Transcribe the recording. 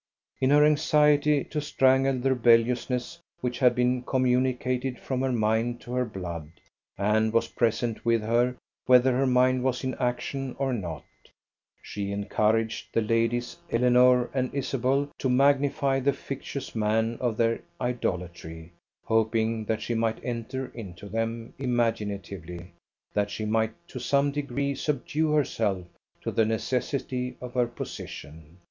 In her anxiety to strangle the rebelliousness which had been communicated from her mind to her blood, and was present with her whether her mind was in action or not, she encouraged the ladies Eleanor and Isabel to magnify the fictitious man of their idolatry, hoping that she might enter into them imaginatively, that she might to some degree subdue herself to the necessity of her position.